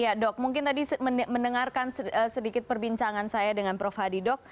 ya dok mungkin tadi mendengarkan sedikit perbincangan saya dengan prof hadi dok